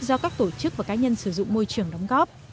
do các tổ chức và cá nhân sử dụng môi trường đóng góp